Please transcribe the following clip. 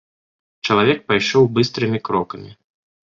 Чалавек пайшоў быстрымі крокамі.